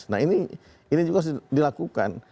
nah ini juga harus dilakukan